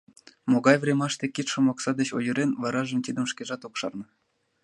Могай времаште кидшым окса деч ойырен, варажым тидым шкежат ок шарне.